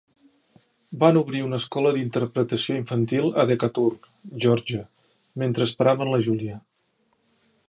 Van obrir una escola d"interpretació infantil a Decatur, Georgia, mentre esperaven la Julia.